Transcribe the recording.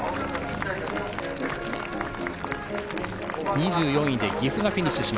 ２４位で岐阜がフィニッシュ。